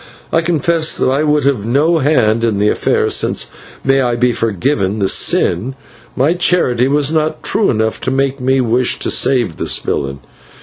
I confess that I would have no hand in the affair, since may I be forgiven the sin my charity was not true enough to make me wish to save this villain.